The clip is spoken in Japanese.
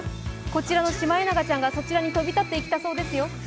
こちらのシマエナガちゃんがそちらに飛び立っていったそうですよ。